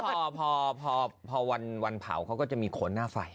พอพอวันเผาเขาก็จะมีโขนหน้าไฟ